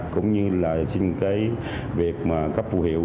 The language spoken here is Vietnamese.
cũng như xin việc cấp phụ hiệu